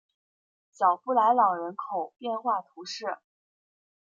小普莱朗人口变化图示